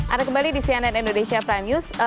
ada kembali di cnn indonesia prime news